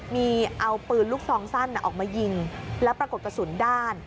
มีเอาปืนลูกซองสั้นออกมายิงแล้วปรากฏกระสุนด้าน